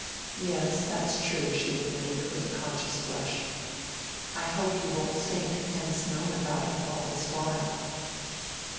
"Yes, that's true," she admitted, with a conscious flush. "I hope he won't think Pen's known about it all this while."